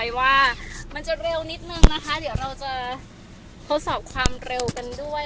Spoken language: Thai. เดี๋ยวเราจะทดสอบความเร็วกันด้วย